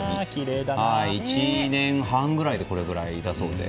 １年半ぐらいでこれくらいの大きさだそうです。